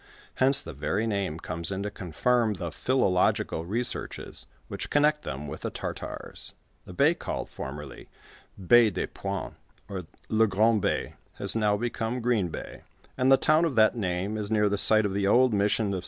Hence, the very name comes in to confirm the philo logical researches which connect them with the Tartars, Tlie bay called formerly Baie des Puants, or La Grande Baie, has now become Green Bay, and the town of that name is near the site of the old mission of S